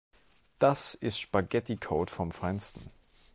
Das ist Spaghetticode vom Feinsten.